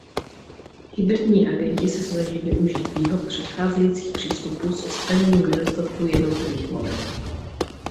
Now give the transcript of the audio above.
Hybridní agenti se snaží využít výhod předcházejících přístupů s odstraněním nedostatků jednotlivých modelů.